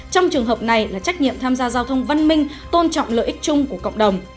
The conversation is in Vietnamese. trong trường hợp này là trách nhiệm tham gia giao thông văn minh tôn trọng lợi ích chung của cộng đồng